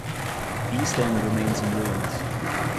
The east end remains in ruins.